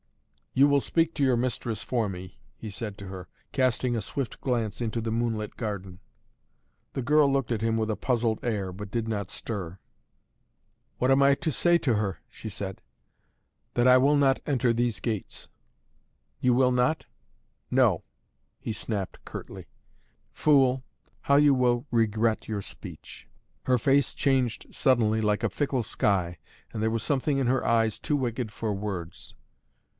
"You will speak to your mistress for me," he said to her, casting a swift glance into the moonlit garden. The girl looked at him with a puzzled air, but did not stir. "What am I to say to her?" she said. "That I will not enter these gates!" "You will not?" "No!" He snapped curtly. "Fool! How you will regret your speech!" Her face changed suddenly like a fickle sky, and there was something in her eyes too wicked for words.